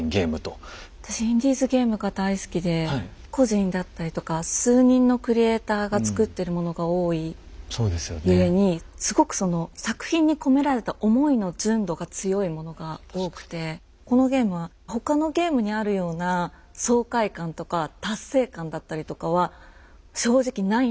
私インディーズゲームが大好きで個人だったりとか数人のクリエイターがつくってるものが多い故にすごくその作品に込められた思いの純度が強いものが多くてこのゲームは他のゲームにあるような爽快感とか達成感だったりとかは正直ないんですよね。